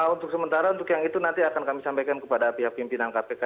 untuk sementara untuk yang itu nanti akan kami sampaikan kepada pihak pimpinan kpk